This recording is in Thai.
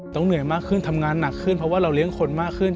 เหนื่อยมากขึ้นทำงานหนักขึ้นเพราะว่าเราเลี้ยงคนมากขึ้น